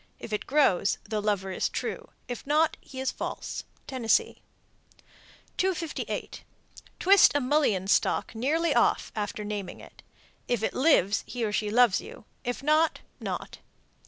If it grows, the lover is true; if not, he is false. Tennessee. 258. Twist a mullein stalk nearly off after naming it. If it lives, he or she loves you; if not, not.